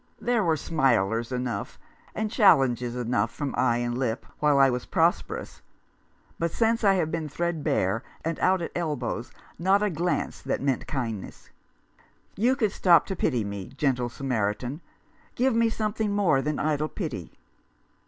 There were smilers enough, and challenges enough from eye and lip while I was prosperous ; but since I have been threadbare and out at elbows not a glance that meant kindness. You could stop to pity me, gentle Samaritan. Give me something more than idle pity."